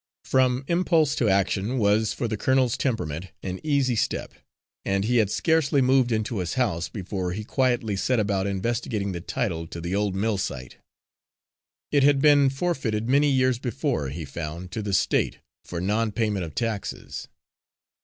From impulse to action was, for the colonel's temperament, an easy step, and he had scarcely moved into his house, before he quietly set about investigating the title to the old mill site. It had been forfeited many years before, he found, to the State, for non payment of taxes.